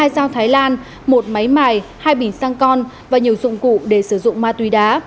hai dao thái lan một máy mài hai bình xăng con và nhiều dụng cụ để sử dụng ma túy đá